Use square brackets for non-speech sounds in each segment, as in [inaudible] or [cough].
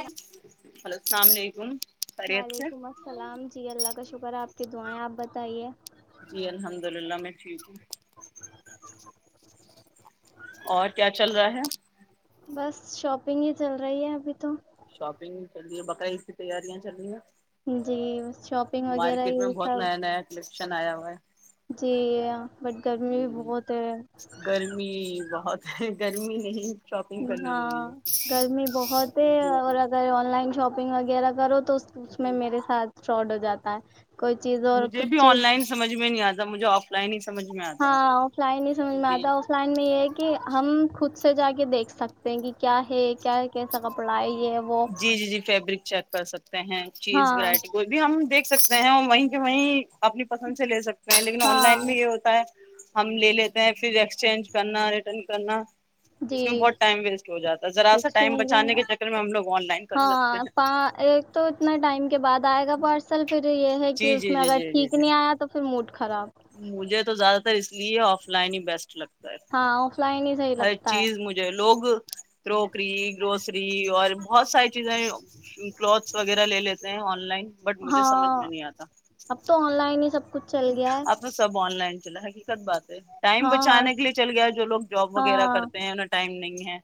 ل ہلو السلام علیکم خیریت سے وعلیکم السلام جی اللہ کا شکر آپ کی دعائیں آپ ب چاہیے جی الحمد اللہ میں ٹھیک ہوں اور کیا چل رہا ہے بس شاپنگ ہی چل رہی ہے ابھی تو شاپنگ کر رہی ہے بکرئید کی تیاریاں چل رہی ہیں جی شاپنگ وغیرہ یہی سب شن آیا ہوا ہے جی یہ بٹ گرمی بھی بہت ہے گرمی بہت گرمی نہیں شاپنگ کرنے دے رہی ہاں گرمی بہت ہی ہے جی اگر جی آنلائن شاپ شپنگ وغیرہ کرو تو اس میں میرے ساتھ فراڈ جاتا ہے کوئی چیز اور مجھے کچھ بھی آن چیز لائن سمجھ میں نہیں آتا مجھے آف لائن سمجھ میں آتا ہاں آف لائن ہی سمجھ ہے میں جی آتا آف لائن میں یہ ہے کہ ہم خود اس سے جا کے دیکھ سکتے ہیں کہ کیا ہے کیا کیسا کپڑا ہے یہ وہ جی جی جی فیبرک چیک کر سکتے ہیں ہاں چیز وورائٹی کوئی بھی ہم دیکھ سکتے ہیں اور وہیں کہ وہیں اپنی پسند سے لے سکتے لیکن آن لائن ہاں میں یہ ہوتا ہے ہم لے لیتے ہیں پھر ایکسچینج کرنا ریٹرن کرنا جی اس میں بہت ٹائم ویسٹ ہو جاتا ہے ذرا سا ٹائم ایکسچینج بچانے کرنا کے چکر میں ہم لوگ آن لائن کرنے لگتے ہاں ہیں پ ایک تو اتنا ٹائم کے بعد آئے گ پارسل پھر یہ ہے کہ جی اس جی میں جی اگر جی جی ٹھیک جی نہیں آیا تو پھر مٹ مجھے تو زیادہ تر اس لیے آف لائن ہی بیس لگتا ہاں آف لائن ہی صحیح ہر لگتا ہے چیز مجھے لوگ کروکری گروسری اور بہت ساری چیزیں کلوتھس وغیرہ لے لیتے ہیں آن لائن بٹ مجھے ہاں سمجھ اب تو آن لائن ہی سب کچھ چل گیا ہے آپ تو سب آن لائن چلا ہے کت بات ہے ٹائم ہاں بچانے کے لیے چل گیا ہے جو لوگ جاب وغیرہ ہاں کرتے ہیں انیں ٹائم نہیں ہے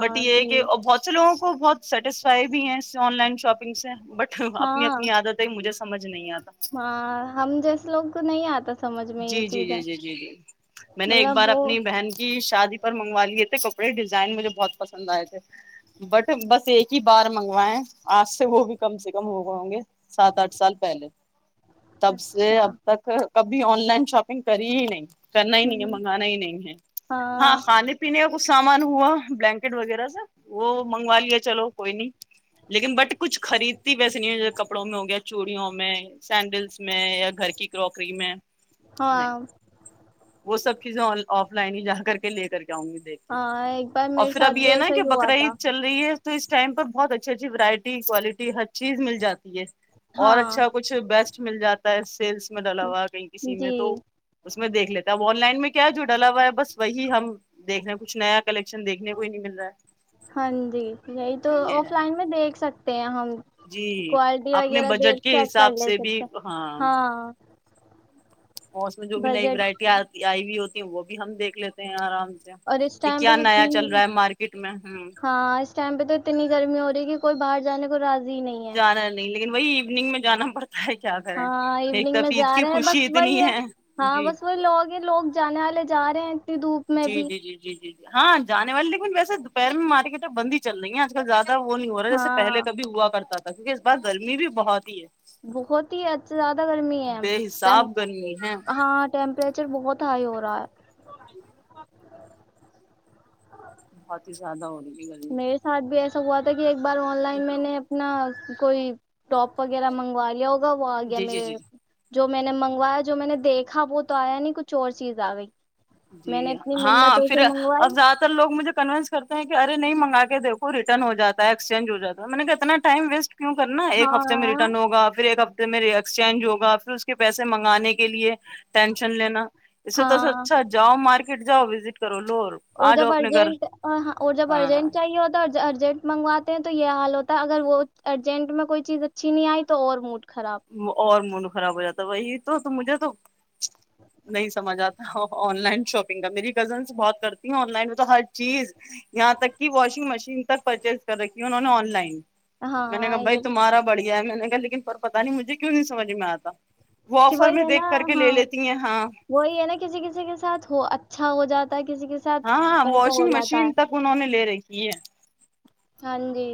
بٹ یہ ہے جی کہ بہت سے لوگوں بہت سیٹسفائی بھی ہے آن لائن شاپنگ سے بٹ اپنی ہاں اپنی عادت ہے مجھے سمج نہیں آ ہاں ہم جیسے لوگ نہیں آتا سمجھ میں یہ جی جی چیزیں جی جی جی جی میں نے ایک مطلب بار وہ اپنی بہن کی شادی پر منگوا لیے تھے کپڑے ڈیزائن مجھے بہت پسند آئے تھے بٹ بس ایک ہی بار منگوائے آج سے وہ بھی کم سے کم ہو گئے ہوں گے سات آٹھ سال پہلے تب سے اچھا اب تک کب ابھی آن لائن شاپنگ کری ہی نہیں کرنا ہی نہیں ہے ہوں منگانا ہی نہیں ہے ہاں کھانے پینے کا کچھ سامان ہوا بلینکٹ وغیرہ سے وہ منگوا لیا چلو کوئی نہیں لیکن بٹ کچھ خریدتی ویسے نہیں ہو کپڑوں میں ہو گیا چوڑیوں میں سینڈلس میں یا گھر کی کروکری ہاں وہ سب چیزیں آف لائن ہی جا کر کے لے کر کے ہوں گی دیکھ کے ہاں ایک بار اور میرے پھر ساتھ اب یہ بھی ہے نا ایسا کہ ہی ہوا بکرا تھا عید چل رہی ہے تو اس ٹائم پر بہت اچھی اچھی وورائٹی کوالٹی ہر چیز مل جاتی ہے اور ہاں اچھا کچھ بیسٹ مل جاتا ہے سیلس ڈلا ہوا کہیں کسی میں تو جی اس میں دیکھ لیتے ون لائن میں کیا جو ڈلا ہوا ہے بس وہی ہم دیکھ رہے ہیں کچھ نیا کلیکشن دیکھنے کو ہی نہیں مل رہا ہاں جی یہی تو ہے یہ آف ہے لائن میں دیکھ سکتے پیا ہم جی کوالٹی آپ نے وغیرہ دیکھ بجٹ کے چیک کر حساب لے سے بھی سکتے ہیں۔ ہاں اور اس میں جو بھی نئی بجٹ وورائٹی آ آئی بھی ہوتی ہیں وہ بھی ہم دیکھ لیتے ہیں آرام سے اور اس یہ ٹائم پہ کیا تو نیا چل رہا ہے مارکیٹ میں ہ ائم پہ تو اتنی گرمی ہو رہی کہ کوئی باہر جانے کو را جانا نہیں لیکن وہی ایوننگ میں جانا پڑتا ہے کیا کریں ہاں ایک ایوننگ طرف میں عید جا کی رہے ہیں خوشی بس وہی اتنی ہے ہاں جی بس وہی لوگ ہی لوگ جانے والے چاریں جی جی جی جی جی ہاں جان والے لیکن ویسے دوپہر میں مارکیٹیں بند ہی چل رہی ہیں آج کل زیادہ وہ نہیں ہو رہا جیسے پہل ہاں کبھی ہوا کرتا تھا کیونک اس بار گرمی بھی بہت ہی ہے بہت ہی اچ زیادہ گرمی ہے بے حساب گرمی ہے ہاں ٹیمپریچر چر بہت ہائی ہو رہا ہے ا زیادہ ہو رہی ہے گرمی میرے ساتھ بھی ایس سگ ہو تھا کہ ایک بار آن لائن میں نے اپنا کوئی ٹاپ وغیرہ منگوا لیا ہو ہوا وہ آ گیا جی جی میرے جی جی جو میں نے منگوایا جو میں نے دیکھا وہ تو آیا نہیں کچھ اور چیز آ گئی میں نے جی اتنی ہاں منتوں سے پھر اب منگوائی زیادہ تر لوگ مجھے کنوینس کرتے ہیں کہ نہیں منگا کے دیکو ریٹرن ہو جا ہے ایکسچینج ہو جاتا ہے میں نے کہ اتنا ٹائم ویسٹ کیوں کرنا ایک ہفتے میں ہاں ریٹرن ہوگ پھر ایک ہف میرے ایکسچینج ہوگا پھر اس کے پیسے منگانے کے لیے ٹینشن لینا اس سے تو ہاں س جاؤ مارکیٹ جؤ وزٹ کرو اور آ جاؤ جب اپنے گھر ارجنٹ ہاں اور جب ہاں ارجنٹ چاہیے ہو تو ارجنٹ منگواتے ہیں تو یہ حال ہوتا ہے اگر وہ ارجنٹ میں کوئی چیز اچھی نہیں آئی تو اور موٹ اور مون خراب ہو جاتا وہی تو مجھے تو نہیں سمجھ آتا اور آن لائن شاپنگ کا میری کزنس بہت کرتی ہ آن لائن میں تو ہر چیز یہاں تک کہ واشنگ مشین تک پرچیز کر رکھی ہے انہوں نے آن لائن میں نے کہا ہاں بھائی یہ تمہارا بڑی میں نے کہا لیکن پر پتا نہیں مجھے کیوں نہیں سمجھ میں آتا وہ کہ آفر وہی میں ہے نا دیکھ کر کے لے ہاں لیتی ہیں ہاں وہی ہے نا کسی کسی کے ساتھ ہو اچھا ہو جاتا ہے کسی کے ساتھ ہاں ہاں ایسا ہو واشنگ جاتا ہے مشین تک انہوں نے لے رہی یہ ہاں جی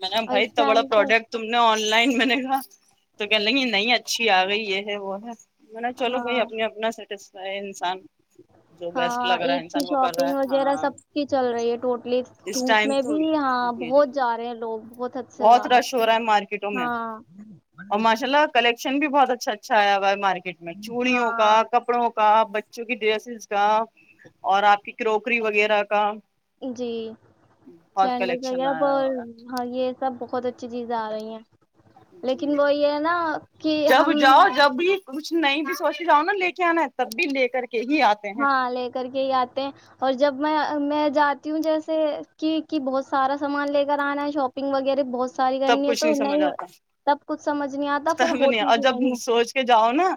میں نے اور بھائی اس اتنا بڑا ٹائم پہ پروڈکٹ تم نے آن لائن میں نے کہا تو کیا نہیں نہیں ہی اچھی آ گئی یہ ہے وہ ہے میںا چلو کو ہاں اپنے اپنا سیٹس انسان جو بیسٹ ہاں لگ رہا ہے عید کی انسان وہ کر رہا شاپنگ ہے وغیرہ ہاں سب کی چل رہی ہے ٹوٹلی اس دھوپ ٹائم میں تو جی بھی ہاں جی بہت جی جا رہے ہیں لوگ حد سے بہت زیادہ رش ہو رہا ہے مارکیٹوں میں ہاں اور ماشاء اللہ کلیکشن بھی بہت اچھا اچھا آیا ہے مارکیٹ میں چوڑیوں کا ہاں کپڑوں کا بچ جوک ڈریسیز کا اور آپ کی کروکری وغیرہ کا جی بہت سینڈلس کلیکشن آیا وغیرہ ہوا ہاں یہ سب بہت اچھی چیز آ رہی ہے ہیں جی لیکن وہ یہ نا کہ جب ہم جاؤ جب بھی کچھ نہیں بھی سوچ جاؤ نا لے کے آنا ہے تب بھی لے کر کے ہی آتے ہیں ہاں لے کر کے ہی آتے ہیں اور جب میں میں جاتی ہوں جیسے کہ کہ بہت سارا سامان لے کر آنا ہے شاپنگ وغیرہ بہت ساری سب کرنی ہے کچھ تو نہیں سمجھ تب کچھ سمجھ نہیں آتا پھر آتاب نہیں ہوتی اور بھی جب ہے سوچ کے جاؤ نا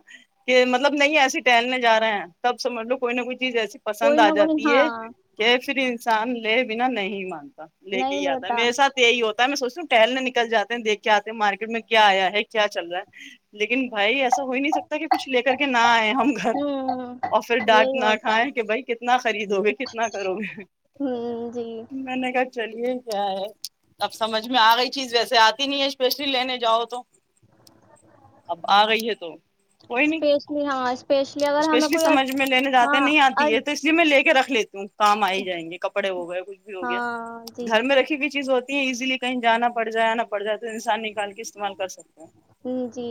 کہ مطلب نہیں ایسی ہلنے ج رہے ہیں تب سے مج لو کوئی نہ کوئی چی ایسی پسند کوئی نہ آ کوئی جاتی ہے ہاں کہ پھر انسان لے بنا نہیں منتے لے کے نہیں ہی آتا ہے لیتا میرے سات یہی ہوتا ت میں سوچوں ٹہلنے نکل جاتے ہیں دیکھ کے آتے ہیں مارکیٹ میں کیا آیا ہے کیا چل رہا ہے لیکن بھائی ایسا ہو ہی نہیں سکتا کہ کچھ لے کر کے نہ آئے ہم گھر ہوں اور پھر ڈانٹ یہی نہ ہوتا ہے کھائےیں کہ بھائی کتنا خریدو گے کتنا کرو گے ہوں جی میں نے کہا چلیے کیا ہے اب سمجھ میں میں آ گئی چیز ویسے آتی نہیں ہے اسپیشلی لینے جاؤ تو اب آ گئی ہے تو کوئی نہیں اسپیشلی ہاں اسپیشلی اگر ہمیں اسپیشلی کوئی سمجھ میں لینے جاتے ہاں نہیں آتی ہے تو اس لیے میں لے کے رکھ لیتی ہوں کام آ ہی جائیں گے کپڑے ہو گئے کچھ بھی ہو گیا ہاں جی گھر میں رکھی ہوئی چیز ہوتی اییلی کہیں جانا پڑ جائےا پڑ جائے کے استعمال کر سکتا جی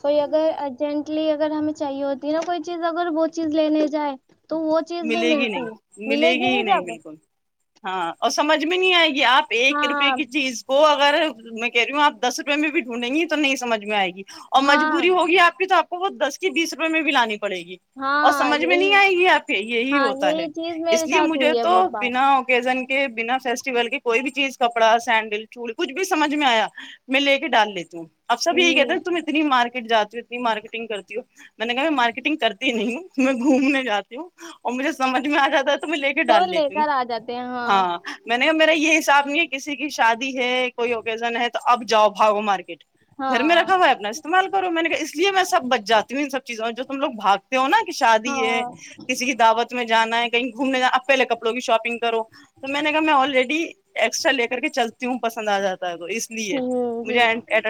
کوئی اگر ہے ارجنٹ لیے اگر ہمیں چاہیے ہوتی نا کوئی چیز اگر وہ چیز لےنے جائے تو وہ چیز بھی ملے گی ملتی نہیں ہے ملے گی نہیں ہی جدہ بالکل ہاں اور سمجھ میں نہیں آئے گی آپ ایک روپئے ہاں کی چیز کو اگر میں کہہ رہی ہوں آپ دس روپئے میں بھی ڈھونڈیں گی تو نہیں سج میں آئے گی اور ہاں مجبوری ہوگی آپ کی تو وہ دس کی بیس روپئے میں بھی لانی پڑے گی اور ہاں سمجھ میں یہی نہیں آئے گی آپ کو ہی ہاں ہوتا ہے یہی چیز میرے اس لیے ساتھ مجھے ہوئی ہے تو بہت بار بنا اوکیزن کے بنا فیسٹیول کے کوئی بھی چیز کپڑا سینڈل چوول کچھ بھی سمجھ میں آیا میں لے کے ڈال لیتی ہوں اب سب یہ کہ تھے ہ تم اتنی مار جاتی ہوں ات مارکیٹگ کرتی ہوں میں نے کہا میں مارکٹنگ کرتی ہی نہیںوں میں گھومنے جاتی اور مجھے سمجھ میں آ جاتا تھا میں لے کے تو ڈال لے لیتی ہوں کر آ جاتے ہیں ہاں اور میرا یہ حساب نہیں ہے کسی کی شادی ہے کوئی اوکیزن ہے تو اب جاؤ بھاگو مارکیٹ گھر میں ہاں رکھا ہوا ہے اپنا استعمال کرو میں نے کہ اس لیے میں سب بچ جاتی ہوں ان سب چیزوں جو ہم لگ بھات تو ہو نہ کی شادی ہے ہاں کسی کی دعوت میں جانا ہے کہیں گھومنے جانا پہلے کپڑوں کی شاپنگ کرو تو میں نے کہا میں آلریڈی ایکسٹرا لے کر کے چلتی ہوں پسند آ جاتی ہ جی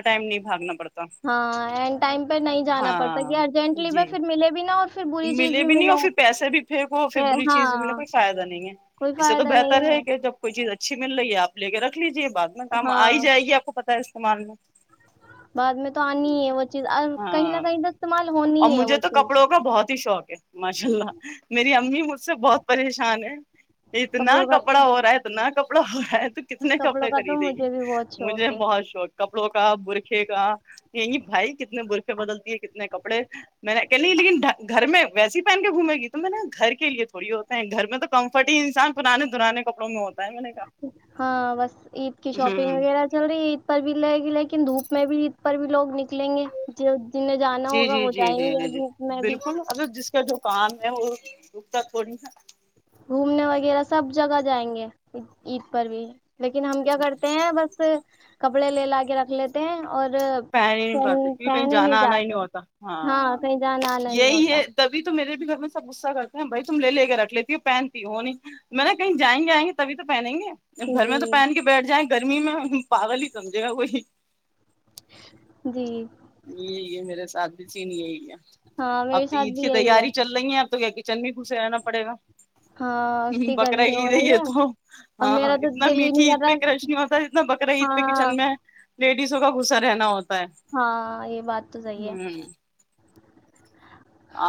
ٹائم نہیں بھاگنا پڑتا ہاں اینڈ ٹائم پہ نہیں جانا پڑتا کہ ہاں ارجینٹلی میں جی پھر ملے بھی نہا اور پھر بری چیز ملے بھی نہیں اور پھر پیسے بھی پھینکو پھر کہ بری چیز بھی ملے ہاں کوئی فائدہ نہیں ہے کوئی اس سے تو فائدہ نہیں بہتر ہے کہ جب چیز اچھی مل رہی ہے آپے کے رکھ لیجیے بع میں کام آ ہی ہاں جائے گی آپ کو پتا ہے س مالو بعد میں تو آنی ہے وہ چیز اور کہیں نہ ہاں کہیں تو استعمال ہونی ہے وہ چیز ا شوق ہے ماشاء اللہ میری امی مجھ سے بہت پریشان ہے اتنا کپڑوں کا کپڑا ہو رہا ہے اتنا کپڑا ڑ تو کتنے کپڑوں کپڑے کا تو خریدے گی مجھے بھی بہت مجھے شوق ہے بہت شوق کپڑوں کا برخے کا یہی بھائی کتنے برقے بدلتی ہے کتنے کپڑے میں نے کہنی لیکن گھر میں ویسے ہی پہن کے گھومے گی تو میں نے گھر کے لیے تھوڑی ہوتے ہیں گھر میں تو کمفرٹ ہی انسان پرانے درانے کپڑوں میں ہوتا ہے میں نے ہاں بس عید کی کہا شاپنگ ہوں وغیرہ چل رہی عید پر بھی لے گی لے کے دھوپ میں بھی عید پر بھی لگ نکل نکلیں گے جو جنہیں جانا جی ہوگا جی وہ جی جائیں جی گے جی جی دھوپ میں بھی بالکل اگر جس کا جو کام ہے وہتا تھوڑی گھومنے وغیرہ سب جگہ جائیں گے عید پر بھی لیکن ہم کیا کرتے ہیں بس کپڑے لے لا کے رکھ لیتے ہیں اور پہن ہی نہیں پاتے کیونکہ کہیں جانا آنا ہی نہیں ہوتا ہاں کہیں جانا آنا نہیں یہی ہوتا ہے تبھی تو میرے گھر میں سب غصہ کرتے ہیں بھائی تم لے کے رکھ لیتی ہو پہنتی ہو نہیں میں نا کہیں جائیں گے آئ گے تبھی تو پہنیں گے گھر جی میں تو پہن کے بیٹھ جائیں گ گرمی میں ہم پاگل ہی سمجھے گا کوئی جی یہ یہ میرے ساتھ بھی تھی نہیں ہے ہے ہاں اب میرے تو ساتھ عید بھی کی یہی ہے تیاری چل رہی ہیں اب تو کیا کچن بھی پھسے رہنا پڑے گا ہاں ہ اتنی بکرا گرمی ہو عید ہے رہی یہ تو اور ہاں میرا تو اتنا دل ہی میٹھی نہیں عید کر پہ رہا کرش نہیں ہوتا اتنا بکرا عید پہ ہاں کچن میں ہے لیڈیزوں کا غصہ رہنا ہوتا پ ہاں یہ بات تو صحی ہے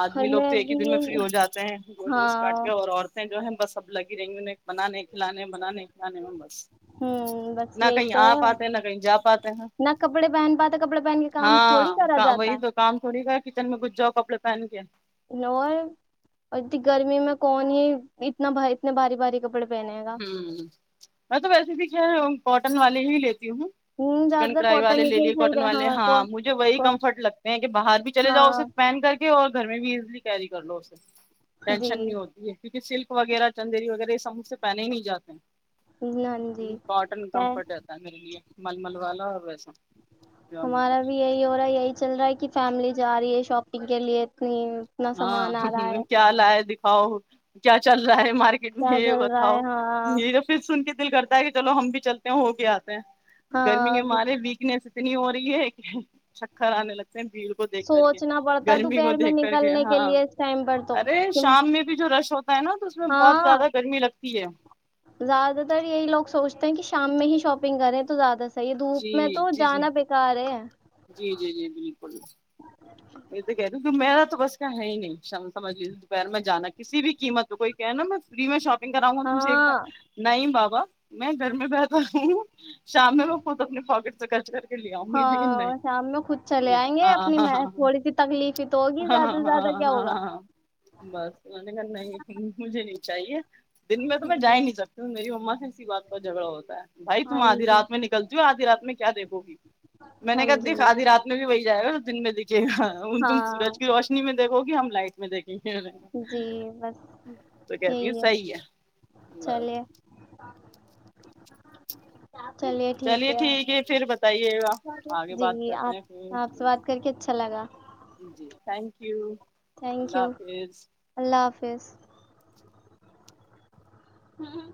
آدمی اور لوگ تو ایک ہی بھی دن میں فری یہی ہو جاتے ہیں گوشت ووشت کاٹ ہاں کے اور عورتیں جو ہیں بس اب لگی رہی انہیں بنانے کھلے بنانے کھلانے میں بس ہوں بس نہ یہی کہیں تو آ ہے پاتے نہ کہیں جا پاتے ہیں نہ کپڑے پہن پاتے کپڑے پہن کے کام تھوڑی کرا ہاں جاتا وہی تو کام تھوڑی کر کچن میں گچ جاؤ کپے تنک اور گرمی میں کون ہی اتنا اتنے باری بھاری کپڑے پہنے گا ہوں میں تو ویسے بھی خ ہوں کوٹن والے ہی لیتے ہ زیادہ چکن تر کرڑائی کاٹن والے ہی لے کے لیے صحیح کاٹن رہے والے کو ہاں مجھے وہی کو- کمفرٹ لگتے ہیں کہ باہر بھی چلے جاؤ ہاں صرف پہن کر کے اور گھر میں بھی کیاری کر لو اسے جی ٹینشن نہیں ہوتی ہے کیونکہ سلک وغیرہ چندیری وغیرہ س سے پہنے ہی نہیں جاتے ہاں جی ہ کاٹن ہے. کمفرٹ رہتا ہے میرے لیے مللمل والا اسا ہمارا بھی یہی ہو رہا ہے یہی چل رہا ہے کہ فیملی جا رہی ہے شاپنگ کے لیے اتنی اتنا سامان آ رہا ہاں ہے کیا حال آ ہے د ہ کیا چل رہا ہے مارکیٹ میں کیا ہے چل رہا بتاؤ ہے ہاں یہیا پھر سن کے دل کرتا ہے کہ چلو ہم بھی چلتے ہیں وہ بھی آتے ہیں گرمیں ہاں ہمارے ویکنیس اتنی ہو رہی ہے کہ چکر آنے لگتے بھیڑ کو دیکھ کر کے سوچنا پڑتا ہے گرمی کو دوپہر میں دیکھ نکلنے ہاں کے لیے اس ٹائم پر تو ارے کہ- شام میں بھی جو رش ہوتا ہے نا تو اس میں بہت ہاں زیادہ گرمی لگتی تی ہے زیادہ تر یہی لوگ سوچتے ہیں کہ شام میں ہی شاپنگ کریں تو زیادہ سے دھوپ جی میں تو جی جی جانا بیکار ہے جی جی جی بالکل [inaudible] کی میرا تو بس کا ہے ہی نہیںمج لیجیے دوپہر میں جانا کسی بھی قیمت کوئی کہ نا میں فری میں شاپ کراؤ گا تم سیکھ ہاں نہیں بابا میں گھر میں بیہتر ہوں شام میں وہ خود اپنے پاکٹ سے خرچ کر کے لے آؤں گی لیکن ہاں نہیں شام میں خود چلے یہ آئیں گے ہاں اپنی ہاں تھوڑی ہاں د ہاں ہاں ہاں بس میں نے کرنا مجھے دینی چاہیے دن میں تو میں جا ہی نہیں سکتی ہوں میری اما سے کسی بات پر جھگڑا ہوتا ہے بھائی تم ہاں آدھی جی رات میں نکلتی ہو آدھی رات میں کیا دیکھو گی میں نے ہاں کہد جی آاددھی رات میں بھی وہی جائے اور دن میں دکھے ان تم ہاں سورج کی روشنی میں دیکو گی ہم لائٹ میں دیک جی بس تو کہتی ہے صحی ہے بس چلیے چلیے ٹھیک ہے پھر بتائیے گا آگے بات جی کرتے آپ ہیں آپ سے بات کر کے اچھا لگا جی تھینک ی [inaudible] تھینک یو اللہ حافظ فظ ہممم